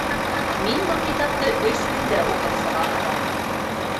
Мин был китапты өс көндә уҡып сыға алам